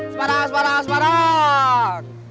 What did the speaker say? semarang semarang semarang